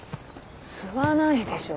吸わないでしょ。